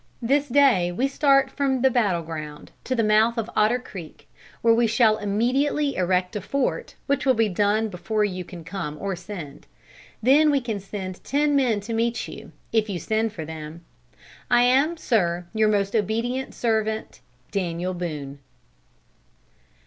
This day we start from the battle ground to the mouth of Otter Creek, where we shall immediately erect a fort, which will be done before you can come or send. Then we can send ten men to meet you, if you send for them. "I am, Sir, your most obedient servant, "DANIEL BOONE."